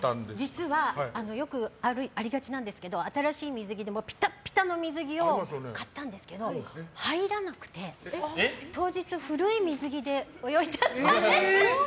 実はよくありがちなんですけど新しい水着ピタッピタの水着を買ったんですけど入らなくて、当日古い水着で泳いじゃったんです。